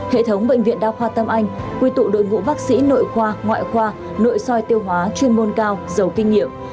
hệ thống bệnh viện đa khoa tâm anh quy tụ đội ngũ bác sĩ nội khoa ngoại khoa nội soi tiêu hóa chuyên môn cao giàu kinh nghiệm